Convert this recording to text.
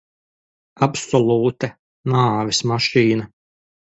Absolūta nāves mašīna.